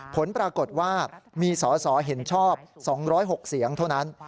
ผลปรากฏว่ามีสอสอเห็นชอบ๒๐๖เสียงเท่านั้น